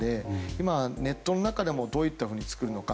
今ネットの中でもどういったように作るのか